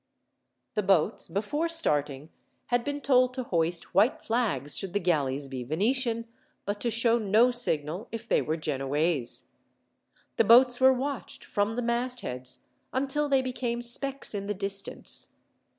The boats, before starting, had been told to hoist white flags should the galleys be Venetian, but to show no signal if they were Genoese. The boats were watched, from the mastheads, until they became specks in the distance.